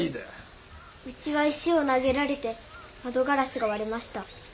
うちは石を投げられて窓ガラスが割れました。